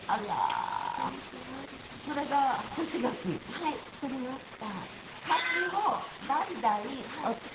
はい作りました。